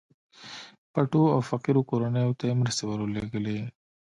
پټو او فقيرو کورنيو ته يې مرستې ورلېږلې.